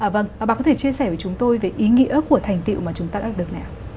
bà có thể chia sẻ với chúng tôi về ý nghĩa của thành tựu mà chúng ta đã được nè